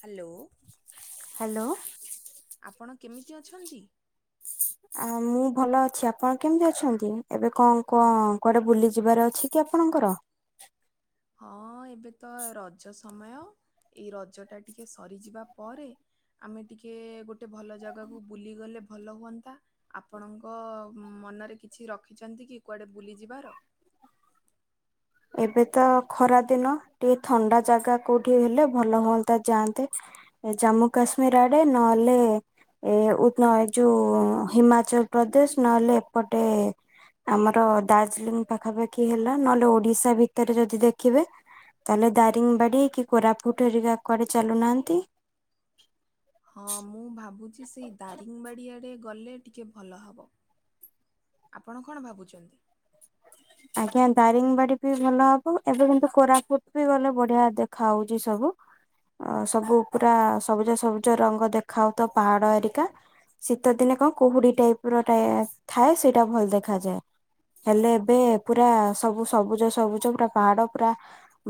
Hello hello ଆପଣ କେମିତି ଅଛନ୍ତି? ଆ ମୁଁ ଭଲ ଅଛି, ଆପଣ କେମିତି ଅଛନ୍ତି? ଏବେ କଣ ହଁ କଣ କୁଆଡେ ବୁଲି ଯିବାର ଅଛି କି ଆପଣଙ୍କର? ହଁ ଏବେ ତ ରଜ ସମୟ ଏଇ ରଜ ଟା ଟିକେ ସରିଯିବା ପରେ ଆମେ ଟିକେ ଗୋଟେ ଭଲ ଜାଗାକୁ ବୁଲିଗଲେ ଭଲ ହୁଅନ୍ତା, ଆପଣଙ୍କ ଉଁ ମନରେ କିଛି ରଖିଛନ୍ତି କି କୁଆଡେ ବୁଲିଯିବାର? ଏବେ ତ ଖରା ଦିନ ଟିକେ ଥଣ୍ଡା ଜାଗା କୋଉଠି ହେଲେ ଭଲ ହୁଅନ୍ତା ଯାଆନ୍ତେ, ଏ ଜାମ୍ମୁ କାଶ୍ମୀର ଆଡେ ନହେଲେ ଏ ଉତନଏ ଯୋଉ ଉ, ହିମାଚଳ ପ୍ରଦେଶ ନହେଲେ ଏପଟେ ଆମର ଦାର୍ଜିଲିଂ ପାଖାପାଖି ହେଲା ନହେଲେ ଓଡିଶ ଶା ଭିତରେ ଯଦି ଦେଖିବେ ତାହେଲେ ଦାରିଙ୍ଗବାଡି କି କୋରାପୁଟ ହେରିକା କୁଆଡେ ଚାଲୁନାହାନ୍ତି। ହଁ ମୁଁ ଭାବୁ ଛି ସେଇ ଦାରିଙ୍ଗବାଡ଼ି ଆଡ଼େ ଗଲେ ଟିକେ ଭଲ ହବ। ଆପଣ କଣ ଭାବୁଚନ୍ତି? ଆଜ୍ଞା ଦାରିଙ୍ଗବାଡି ବି ଭଲ ହବ, ଏବେ କିନ୍ତୁ କୋରାପୁଟ ବି ଗଲେ ବଢିଆ ଦେଖା ହଉଚି ସବୁ, ଆ, ସବୁ ପୁରା ସବୁଜ ସବୁଜ ରଙ୍ଗ ଦେଖା ହଉଥିବ ପାହାଡ ହେରିକା, ଶୀତ ଦିନେ କଣ କୁହୁଡି ଟାଇପ୍ ର ଟାଏ ଥାଏ ସେଇଟା ଭଲ ଦେଖାଯାଏ। ହେଲେ ଏବେ ପୁରା ସବୁ ସବୁଜ ସବୁଜ ପୁରା ପାହାଡ ପୁରା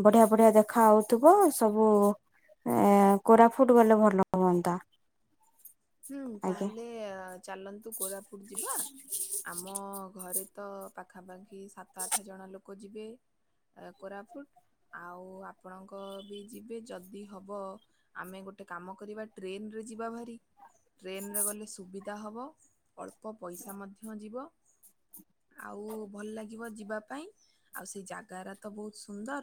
ବଢିଆ ବଢିଆ ଦେଖା ହଉଥିବ, ସବୁ ଏଁ, କୋରାଫୁଟ ଗଲେ ଭଲ ହୁଅନ୍ତା। ହୁଁ ଆଜ୍ଞା। ତାହେଲେ ଏ ଚାଲନ୍ତୁ କୋରାପୁଟ ଯିବା ଆମ ଘରେ ତ ପାଖାପାଖି ସାତ ଆଠ ଜଣ ଲୋକ ଯିବେ, ଏ କୋରାବୁଟ୍ ଆଉ ଆପଣଙ୍କ ବି ଯିବେ ଯଦି ହବ ଆମେ ଗୋଟେ କାମ କରିବା ଟ୍ରେନ୍ ରେ ଯିବା ଭାରି। ଟ୍ରେନ୍ ରେ ଗଲେ ସୁବିଧା ହବ, ଅଳ୍ପ ପଇସା ମଧ୍ୟ ଯିବ, ଆଉ ଭଲ ଲାଗିବ ଯିବା ପାଇଁ ଆଉ ସେ ଜାଗାରା ତ ବହୁତ ସୁନ୍ଦର,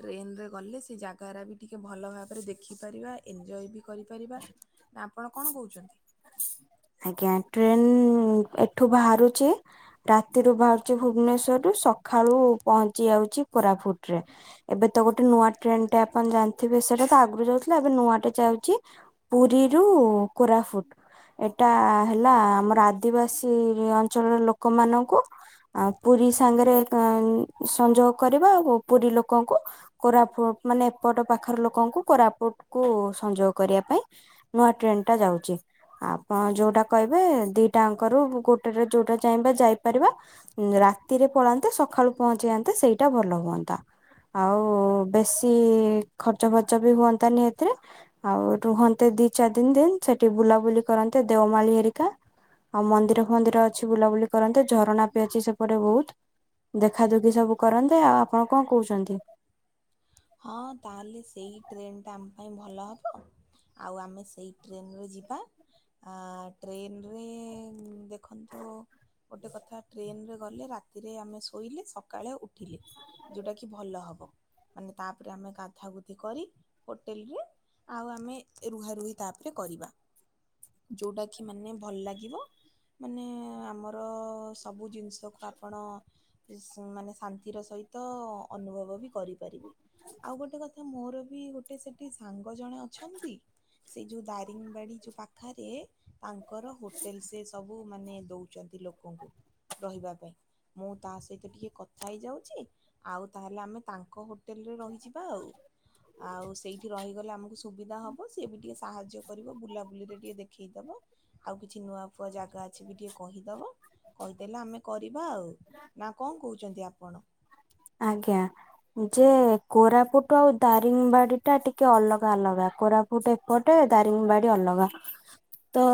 ଟ୍ରେନ୍ ରେ ଗଲେ ସେ ଜାଗା ଏରା ବି ଟିକେ ଭଲ ଭାବରେ ଦେଖିପାରିବା ଏନଜୟ ବି କରିପାରିବା। ନା ଆପଣ କଣ କହୁଛନ୍ତି? ଆଜ୍ଞା ଟ୍ରେନ୍ ଏଠୁ ବାହାରୁଛି ରାତିରୁୁ ବାହାରୁଚି ଭୁବନେଶ୍ଵର ରୁ ସଖୃଳୁ ପହଞ୍ଚି ଯାଉଚି, କୋରାଫୁଟ ରେ ଏବେ ତ ଗୋଟେ ନୂଆ ଟ୍ରେନ୍ ଟେ ଆପଣ ଜାଣିଥିବେ, ସେଟା ତ ଆଗରୁ ଯାଉଥିଲା ଏବେ ନୂଆଟେ ଯାଉଚି, ପୁରୀରୁ କୋରାଫୁଟ। ଏଟା ହେଲା ଆମର ଆଦିବାସୀ ଅଞ୍ଚଳର ଲୋକମାନଙ୍କୁ ଆ, ପୁରୀ ସାଙ୍ଗରେ କଂ-ସଂଯୋଗ କରିବା ଆଉ ପୁରୀ ଲୋକଙ୍କୁ କୋରାଫୁ ମାନେ ଏପଟ ପାଖର ଲୋକଙ୍କୁ କୋରାପୁଟ କୁ ସଂଯୋଗ କରିବା ପାଇଁ ନୂଆ ଟ୍ରେନ୍ ଟା ଯାଉଛି। ଆ ପଣ ଯୋଉଟା କହିବେ ଦିଟାଙ୍କରୁ ଗୋଟେ ରେ ଯୋଉଟା ଚାହିଁବେ ଯାଇପାରିବା, ଉଁ, ରାତିରେ ପଳାନ୍ତେ ସଖାଳୁ ପହଞ୍ଚି ଯାଆନ୍ତେ, ସେଇଟା ଭଲ ହୁଅନ୍ତା ଆଉ ବେଶୀ ଖର୍ଚ୍ଚ ଫର୍ଚ ବି ହୁଅନ୍ତାନି ଏଥିରେ ଆଉ ରୁହନ୍ତେ ଦି ଚାରି ଦିନ ଦିନ ସେଠି ବୁଲାବୁଲି କରନ୍ତେ ଦେଓମାଳୀ ହେରିକା, ଆଉ ମନ୍ଦିର ଫନ୍ଦିର ଅଛି ବୁଲାବୁଲି କରନ୍ତେ ଝରଣା ବି ଅଛି ସେପଟ ବହୁତ, ଦେଖା ଦୁଖି ସବୁ କରନ୍ତେ, ଆଉ ଆପଣ କଣ କହୁଚନ୍ତି? ହଁ ତାହେଲେ ସେଇ ଟ୍ରେନଟା ଆମ ପାଇଁ ଭଲ ହବ। ଆଉ ଆମେ ସେଇ ଟ୍ରେନରେ ଯିବା। ଆଁ ଟ୍ରେନରେ ଦେ ଖନ୍ତୁ ଗୋଟେ କଥା ଟ୍ରେନ ରେ ଗଲେ ରାତିରେ ଆମେ ଶୋଇଲେ ସକାଳେ ଉଠିଲେ ଯୋଉଟାକି ଭଲ ହବ। ମାନେ ତାପରେ ଆମେ ଗାଧୁଆ ଗୁଧି କରି ହୋଟେଲରେ ଆଉ ଆମେ ରୁହା ରୁହି ତାପରେ କରିବା। ଯୋଉଟା କିି ମାନେ ଭଲ ଲାଗିବ। ମାନେ ଆମର ସବୁ ଜିନିଷକୁ ଆପଣ ସ ମାନେ ଶାନ୍ତିର ସହିତ ଅନୁଭବ ବି କରି ପାରିବେ ଆଉ ଗୋଟେ କଥା ମୋର ବି ଗୋଟେ ସେଠି ସାଙ୍ଗ ଜଣେ ଅଛନ୍ତି ସେ ଯୋଉ ଦାରିଙ୍ଗବାଡି ଯୋଉ ପାଖାରେ ତାଙ୍କର ହୋଟେଲ ସେ ସବୁ ମାନେ ଦଉଚନ୍ତି ଲୋକଙ୍କୁ ରହିବା ପାଇଁ ମୁଁ ତା ସହିତ ଟିକେ କଥା ହେଇଯାଉଚି ଆଉ ତାହେଲେ ଆମେ ତା ଙ୍କ ହୋ ଟେଲରେ ରହିଯିବା ଆଉ। ଆଉ ସେଇଠି ରହିଗଲେ ଆମକୁ ସୁବିଧା ହ ବ ସିଏ ବି ଟିକେ ସାହାଯ୍ୟ କରିବ ବୁଲାବୁଲିରେ ଟିକେ ଦେଖେଇ ଦବ ଆଉ କିଛି ନୂଆ ଫୁଆ ଜାଗା ଅଛି ବି ଟିକେ କହିଦବ କହିଦେଲେ ଆମେ କରିବା ଆଉ ନା କଣ କହୁଛନ୍ତି ଆପଣ? ଆଜ୍ଞା ଯେ କୋରାପୁଟ ଆଉ ଦାରିଙ୍ଗବାଡି ଟା ଟିକେ ଅଲଗା ଅଲଗା କୋରାପୁଟ ଏପଟେ ଦାରିଙ୍ଗବାଡି ଅଲଗା ତ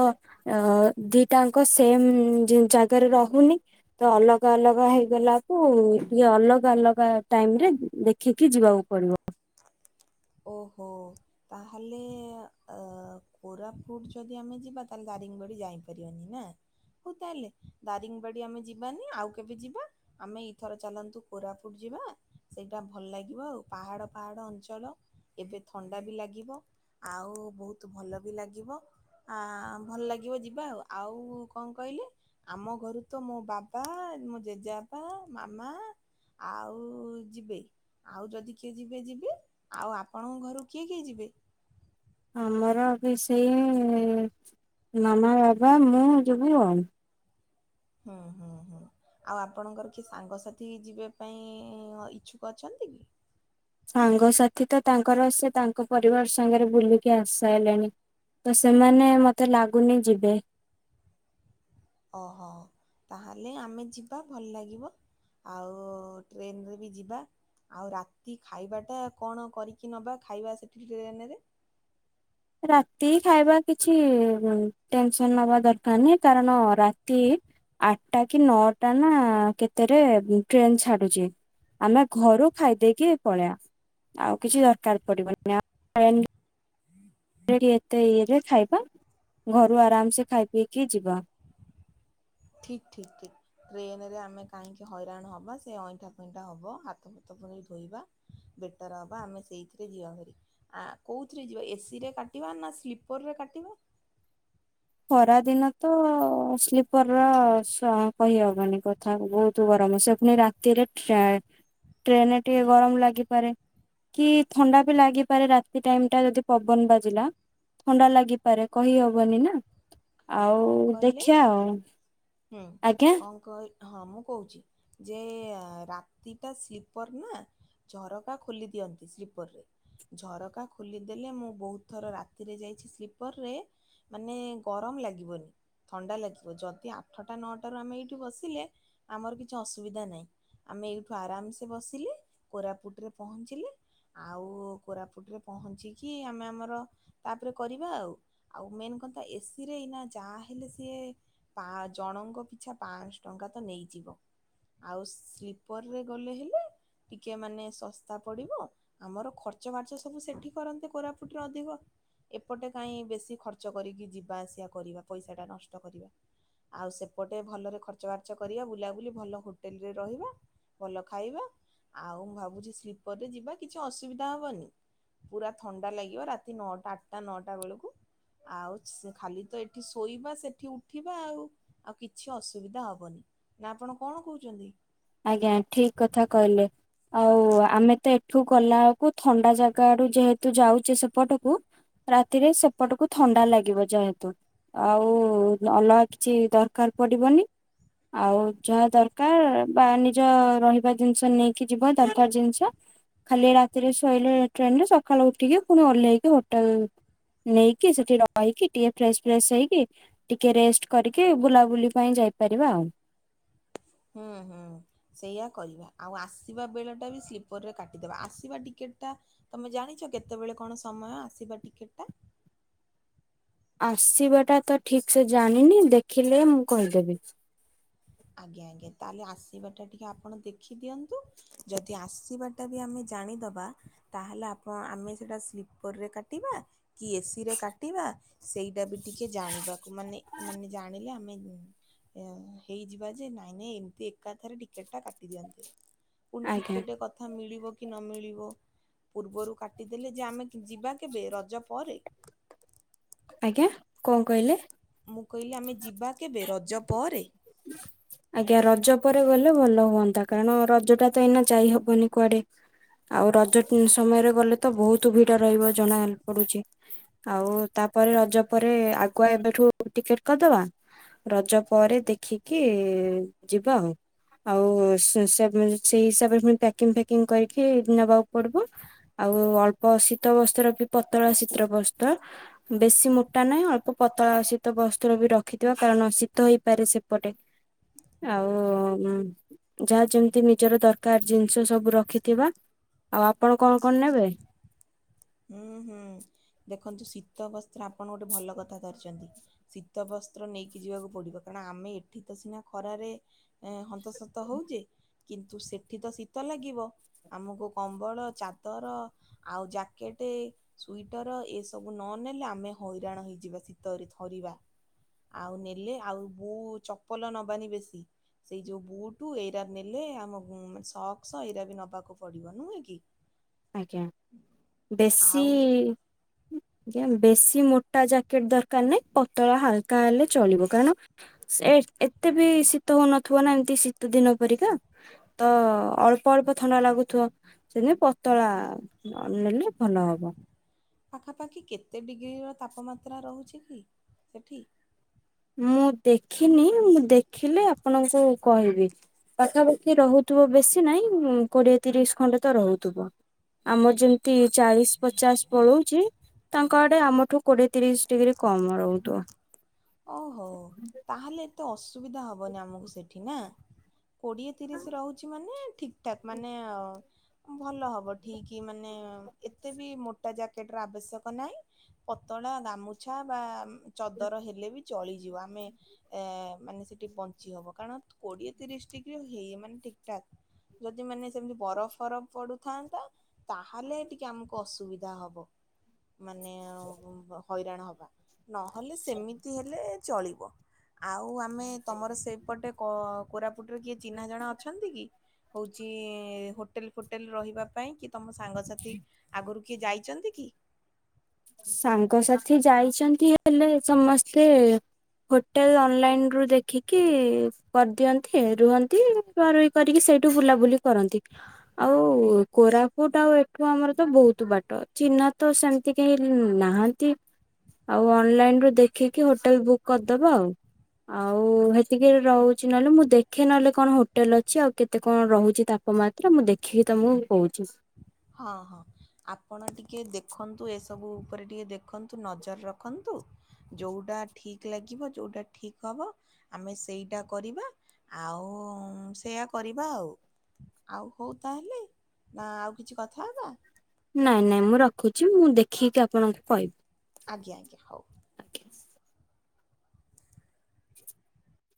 ଅ ଦିଟାଙ୍କ ସେମ ଉଁ ଜେ ଜାଗାରେ ରହୁନି। ତ ଅଲଗା ଅଲଗା ହେଇଗଲାକୁ ଇଏ ଅଲ ଗା ଅଲଗା ଟାଇମ ରେ ଦେଖିକି ଯିବାକୁ ପଡିବ। ଓହୋ ତାହେଲେ ଅ କୋରାପୁଟ ଯଦି ଆମେ ଯିବା ତାହେଲେ ଦାରିଙ୍ଗବାଡ଼ି ଯାଇପାରିବାନି ନା? ହଉ ତାହେଲେ ଦାରିଙ୍ଗବାଡ଼ି ଆମେ ଯିବାନି ଆଉ କେବେ ଯିବା। ଆମେ ଏଇଥର ଚାଲନ୍ତୁ କୋରାପୁଟ ଯିବା ସେଇଟା ଭଲ ଲାଗିବ ଆଉ ପାହାଡ଼ ପାହାଡ଼ ଅଞ୍ଚଳ। ଏବେ ଥଣ୍ଡା ବି ଲାଗିବ ଆଉ ବହୁତ ଭଲ ବି ଲାଗିବ ଆ ଭଲ ଲାଗିବ ଯିବା ଆଉ ଆଉ କଣ କହିଲି ଆମ ଘରୁ ତ ମୋ ବାବା ମୋ ଜେଜେବାପା ମାମା ଆଉ ଯିବେ ଆଉ ଯଦି କିଏ ଯିବେ ଯିବେ। ଆଉ ଆପଣଙ୍କ ଘରୁ କିଏ କିଏ ଯିବେ? ଆମର ବି ସେଇ ଉଁ ମାମା ବାବା ମୁଁ ଯିବୁ ଆଉ। ହୁଁ ହୁଁ ହୁଁଲ ଆଉ ଆପଣଙ୍କର କିଏ ସାଙ୍ଗସାଥି ଯିବା ପାଇଁ ଅ ଇଚ୍ଛୁକ ଅଛନ୍ତି କି? ସାଙ୍ଗସାଥି ତ ତାଙ୍କର ସେ ତାଙ୍କ ପରିବାର ସାଙ୍ଗରେ ବୁଲିକି ଆସି ସାଇଲାଣି। ତ ସେମାନେ ମତେ ଲାଗୁନି ଯିବେ। ଓହୋ। ତାହେଲେ ଆମେ ଯିବା ଭଲ ଲାଗିବ। ଆଉ ଟ୍ରେନରେ ବି ଯିବା। ଆଉ ରାତି ଖାଇବାଟା କଣ କରିକି ନବା ଖାଇବା ସେଠି ଟ୍ରେନରେ? ରାତି ଖାଇବା କିଛି ଉ ଟେନସନ ନବା ଦରକାର ନାହିଁ କାରଣ ରାତି ଆଠଟା କି ନଅଟା ନା କେତେରେ ଉ ଟ୍ରେନ ଛାଡୁଛି। ଆମେ ଘରୁ ଖାଇଦେଇକି ପଳେଇବା ଆଉ କିଛି ଦରକାର ପଡିବନି। [inaudible] [inaudible] ଏତେ ଇଏରେ ଖାଇବା ଘରୁ ଆରାମସେ ଖାଇ ପିଇକି ଯିବା। ଠିକ ଠିକ ଠିକ। ଟ୍ରେନରେ ଆମେ କାହିଁକି ହଇରାଣ ହବା ସେ ଅଇଁଠା ଫଇଁଠା ହବ ହାତ ଫାତ ପୁଣି ଧୋଇବା ବେଟର ହବ ଆମେ ସେଇଥିରେ ଯିବା ଭାରି। ଆ କଉଥିରେ ଯିବା ଏ ସିରେ କାଟିବା ନା ସ୍ଲିପରରେ କାଟିବା? ଖରାଦିନ ତ ସ୍ଲିପର ର ସ କହି ହବନି କଥା ବହୁତ ଗରମ ସେ ପୁଣି ରାତିରେ ଟ୍ରେ ଟ୍ରେନରେ ଟିକେ ଗରମ ଲାଗିପାରେ କି ଥଣ୍ଡା ବି ଲାଗିପାରେ ରାତି ଟାଇମ ଟା ଯଦି ପବନ ବାଜିଲା ଥଣ୍ଡା ଲାଗିପାରେ କହିହବନି ନା। ଆଉ କଣ କହିଲେ? ଦେଖିଆ ଆଉ। ହୁଁ ଆଜ୍ଞା? କଣ କହ ହଁ ମୁଁ କହୁଛି ଯେ ରାତିଟା ସ୍ଲିପର ନା ଝରକା ଖୋଲି ଦିଅନ୍ତି ସ୍ଲିପରରେ ଝରକା ଖୋଲିଦେଲେ ମୁଁ ବହୁତ ଥର ରାତିରେ ଯାଇଛି ସ୍ଲିପରରେ ମାନେ ଗରମ ଲା ଗିବନି ଥଣ୍ଡା ଲାଗିବ ଯଦି ଆଠଟା ନଅଟାରୁ ଆମେ ଏଇଠୁ ବସିଲେ ଆମର କିଛି ଅସୁବିଧା ନାହିଁ। ଆମେ ଏଇଠୁ ଆରାମସେ ବସିଲେ କୋରାପୁଟରେ ପହଞ୍ଚିଲେ ଆଉ କୋରାପୁଟରେ ପହଞ୍ଚିକି ଆମେ ଆମର ତାପରେ କରିବା ଆଉ ଆଉ ମେନ କଥା ଏ ସି ରେ ଏଇନା ଯାହା ହେଲେ ସିଏ ପା ଜଣଙ୍କ ପିଛା ପାଆଁଶହ ଟଙ୍କା ତ ନେଇଯିବ। ଆଉ ସ୍ଲିପରରେ ଗଲେ ହେଲେ ଟିକେ ମାନେ ଶସ୍ତା ପଡ଼ିବ ଆମର ଖର୍ଚ୍ଚ ବାର୍ଚ୍ଚ ସବୁ ସେଠି କରନ୍ତେ କୋରାପୁଟରେ ଅଧିକ ଏପଟେ କାହିଁ ବେଶୀ ଖର୍ଚ୍ଚ କରିକି ଯିବା ଆସିଆ କରିବା। ପଇସାଟା ନଷ୍ଟ କରିବା। ଆଉ ସେପଟେ ଭଲରେ ଖର୍ଚ୍ଚ ବାର୍ଚ୍ଚ କରିଆ ବୁଲା ବୁଲି ଭଲ ହୋଟେଲରେ ରହିବା ଭଲ ଖାଇବା ଆଉ ମୁଁ ଭାବୁଛି ସ୍ଲିପରରେ ଯିବା କିଛି ଅସୁବିଧା ହବନି ପୁରା ଥଣ୍ଡା ଲାଗିବ ରାତି ନଅଟା ଆଠଟା ନଅଟା ବେଳକୁ ଆଉ ସି ଖାଲି ତ ଏ ଠି ଶୋଇବା ସେଠି ଉଠିବା ଆଉ ଆଉ କିଛି ଅସୁବିଧା ହବନି। ନା ଆପଣ କଣ କହୁଛନ୍ତି? ଆଜ୍ଞା ଠିକ କଥା କହିଲେ। ଆଉ ଆମେ ତ ଏଠୁ ଗଲାବେଳକୁ ଥଣ୍ଡା ଜାଗା ରୁ ଯେହେତୁ ଯାଉଚେ ସେପଟକୁ ରାତିରେ ସେପଟକୁ ଥଣ୍ଡା ଲାଗିବ ଯେହେତୁ ଆଉ ଅଲଗା କିଛି ଦରକାର ପଡିବନି ଆଉ ଯାହା ଦରକାର ବା ନିଜ ରହିବା ଜିନିଷ ନେଇକି ଯିବ ଦରକାର ଜିନିଷ। ଖାଲି ରାତିରେ ଶୋଇଲେ ଟ୍ରେନରେ ସକାଳୁ ଉଠିକି ପୁଣି ଓହ୍ଲେଇକି ହୋଟେଲ ନେଇକି ସେଠି ରହିକି ଟିକେ ଫ୍ରେଶ ଫ୍ରେଶ ହେଇକି ଟିକେ ରେଷ୍ଟ କରିକି ବୁଲାବୁଲି ପାଇଁ ଯାଇପାରିବା ଆଉ। ହୁଁ ହୁଁ ସେଇଆା କରିବା ଆଉ ଆସିବା ବେଳଟା ବି ସ୍ଲିପରରେ କାଟିଦବା ଆସିବା ଟିକେଟ ଟା ତମେ ଜାଣିଛ କେତେବେଳେ କଣ ସମୟ ଆସିବା ଟିକେଟ ଟା? ଆସିବା ଟା ତ ଠିକ ସେ ଜାଣିନି ଦେଖିଲେ ମୁଁ କହିଦେବି। ଆଜ୍ଞା ଆଜ୍ଞା। ତାହେଲେ ଆସିବା ଟା ଟିକେ ଆପଣ ଦେଖିଦିଅନ୍ତୁ ଯଦି ଆସିବା ଟା ବି ଆମେ ଜାଣିଦବା ତାହେଲେ ଆପ ଆମେ ସେଇଟା ସ୍ଲିପରରେ କାଟିବା କି ଏ ସି ରେ କାଟିବା ସେଇଟା ବି ଟିକେ ଜାଣିବାକୁ ମାନେ ମାନେ ଜାଣିଲେ ଆମେ ଏଁ ହେଇଯିବା ଯେ ନାଇଁ ନାଇଁ ଏମତି ଏକାଥରେ ଟିକେଟ ଟା କାଟି ଦିଅନ୍ତେ। ପୁଣି ଆଜ୍ଞା ଟିକେଟ କଥା ମିଳିବ କି ନ ମିଳିବ। ପୂର୍ବରୁ କାଟିଦେଲେ ଯେ ଆମେ ଯିବା କେବେ ରଜ ପରେ? ଆଜ୍ଞା କଣ କହିଲେ? ମୁଁ କହିଲି ଆମେ ଯିବା କେବେ ରଜ ପରେ? ଆଜ୍ଞା ରଜ ପରେ ଗଲେ ଭଲ ହୁଅନ୍ତା କାରଣ ରଜ ଟା ତ ଏଇନା ଯାଇ ହବନି କୁଆଡେ ଆଉ ରଜ ଉଁ ସମୟରେ ଗଲେ ତ ବହୁତ ଭିଡ ରହିବ ଜଣା ପଡୁଚି। ଆଉ ତାପରେ ରଜ ପରେ ଆଗୁଆ ଏବେଠୁ ଟିକେଟ କରିଦବା ରଜ ପରେ ଦେଖିକି ଯିବା ଆଉ। ଆଉ ସେ-ସେ-ସେମି ସେଇ ହିସାବରେ ପୁଣି ପ୍ୟାକିଙ୍ଗ ଫ୍ୟାକିଙ୍ଗ କରିକି ନବାକୁ ପଡିବ। ଆଉ ଅଳ୍ପ ଶୀତ ବସ୍ତ୍ର ର ବି ପତଳା ଶୀତ୍ର ବସ୍ତ୍ର ବେଶୀ ମୋଟା ନାହିଁ ଅଳ୍ପ ପତଳା ଶୀତ ବସ୍ତ୍ର ବି ରଖିଥିବା କାରଣ ଶୀତ ହେଇପାରେ ସେପଟେ। ଆଉ ଉଁ ଯାହା ଯେମିତି ନିଜର ଦରକାର ଜିନିଷ ସବୁ ରଖିଥିବା ଆଉ ଆପଣ କଣ କଣ ନେବେ? ହୁଁ ହୁଁ ଦେ ଦେଖନ୍ତୁ ଶୀତ ବସ୍ତ୍ର ଆପଣ ଗୋଟେ ଭଲ କଥା ଧରିଚନ୍ତି ଶୀତ ବସ୍ତ୍ର ନେଇକି ଯିବାକୁ ପଡିବ କାରଣ ଆମେ ଏଠି ତ ସିନା ଖରାରେ ହନ୍ତସନ୍ତ ହଉଛେ କିନ୍ତୁ ସେଠି ତ ଶୀତ ଲାଗିବ ଆମକୁ କମ୍ବଳ ଚାଦର ଆଉ ଜା ପକେଟ ସୁଇଟର ଏସବୁ ନନେଲେ ଆମେ ହଇରାଣ ହେଇଯିବା ଶୀତରେ ଥରିବା ଆଉ ନେଲେ ଆଉ ବୁ ଚପଲ ନବାନି ବେଶୀ ସେଇ ଯୋଉ ବୁୁ ଏଇରା ନେଲେ ଆମ ସକ୍ସ ଏଇରା ବି ନେବାକୁ ପଡିବ ନୁହେଁ କି। ଆଜ୍ଞା। ବେଶୀ ଆଉ ଜ୍ଞା ବେଶୀ ମୋଟା ଜ୍ୟାକେଟ ଦରକାର ନାହିଁ ପତଳା ହାଲକା ହେଲେ ଚଳିବ କାରଣ ସେ ଏତେ ବି ଶୀତ ହଉନଥିବ ନା ଏମତି ଶୀତ ଦିନ ପରିକା ତ ଅଳ୍ପ ଅଳ୍ପ ଥଣ୍ଡା ଲାଗୁଥିବ ସେଦିନ ପ ତଳା ନେଲେ ଭଲ ହବ। ପାଖାପାଖି କେତେ ଡିଗ୍ରୀର ତାପମାତ୍ରା ରହୁଛି କି ସେଠି? ମୁଁ ଦେଖିନି ମୁଁ ଦେଖିଲେ ଆପଣଙ୍କୁ କହିବି ପାଖାପାଖି ରହୁଥିବ ବେଶୀ ନହିଁ କୋଡିଏ ତିରିଶ ଖଣ୍ଡେ ତ ରହୁଥିବ ଆମର ଯେମିତି ଚାଳିଶ ପଚାଶ ପଳଉଛି ତାଙ୍କ ଆଡେ ଆମଠୁ କୋଡିଏ ତିରିଶ ଡିଗ୍ରୀ କମ ରହୁଥିବ। ଓହୋ ତାହେଲେ ଏତେ ଅସ୍ ସୁବିଧା ହବନି ଆମକୁ ସେଠି ନା। କୋଡିଏ ତିରିଶ ରହୁଛି ମାନେ ଠିକ ଠାକ ମାନେ ଉଁ ଭଲ ହବ ଠିକ ମାନେ ଏତେ ବି ମୋଟା ଜ୍ୟାକେଟ ର ଆବଶ୍ୟକ ନାହିଁ ପତଳା ଗାମୁଛା ବା ଚଦର ହେଲ୍ ବି ଚାଲିଯିବ ଆମେ ଏଁ ମାନେ ସେଠି ବଞ୍ଚି ହବ କାରଣ କୋଡିଏ ତିରିଶ ଡିଗ୍ରୀ ହେଇ ମାନେ ଠିକଠାକ୍ ଯଦି ମାନେ ସେମିତି ବରଫ ଫରଫ ପଡୁଥାନ୍ତା ତାହଲେ ଟିକେ ଆମକୁ ଅସୁବିଧା ହବ ମାନେ [inaudible] ହଇରାଣ ହବା। ନହେଲେ ସେମିତ୍ ଏଁ ଚଳିବ ଆଉ ଆମେ ମେ ତମର ସେଇପଟେ କ ପୁରା ପଟରେ କିଏ ଚିହ୍ନା ଜଣା ଅଛନ୍ତି କି? ହଉଛି ହୋଟେଲ ଫୋଟେଲ ରହିବା ପାଇଁ କି ତମ ସାଙ୍ଗସାଥି ଆଗରୁ କିଏ ଯାଇଛନ୍ତି କି? ସାଙ୍ଗସାଥି ଯାଇଛନ୍ତି ହେଲେ ସମସ୍ତେ ହୋଟେଲ ଅନଲାଇନ ରୁ ଦେଖିକି କରିଦିଅନ୍ତି ରୁହନ୍ତି ରୁହା ରୁହି କରିକି ସେଇଠୁ ବୁଲାବୁଲି କରନ୍ତି ଆଉ କୋରାପୁଟ ଆଉ ଏଠୁ ଆମର ତ ବହୁତ ବାଟ ଚିହ୍ନା ତ ସେମିତି କେହି ନାହାନ୍ତି ଆଉ ଅନଲାଇନ ରୁ ଦେଖିକି ହୋଟେଲ ବୁକ୍ କରିଦବା ଆଉ ଆଉ ହେତିକି ରହୁଛି ନହେଲେ ମୁଁ ଦେଖେ ନହେଲେ କଣ ହୋଟେଲ ଅଛି ଆଉ କେତେ କଣ ରହୁଛି ତାପମାତ୍ରା ମୁଁ ଦେଖିକି ତମକୁ କହୁଛି। ହଁ ହଁ ଆପଣ ଟିକେ ଦେଖନ୍ତୁ ଏସବୁ ଉପରେ ଟିକେ ଦେଖନ୍ତୁ ନଜର ରଖନ୍ତୁ ଯୋଉଁଟା ଠିକ୍ ଲାଗିବ ଯେଉଟା ଠିକ୍ ହବ ଆମେ ସେଇଟା କରିବା ଆଉ ସେୟା କରିବା ଆଉ ଆଉ ହଉ ତାହେଲେ ନା ଆଉ କିଛି କଥା ହେବା? ନାଇଁ ନାଇଁ ମୁଁ ରଖୁଛି ମୁଁ ଦେଖିକି ଆପଣଙ୍କୁ କହିବି। ଆଜ୍ଞା ଆଜ୍ଞା ହଉ। [inaudible]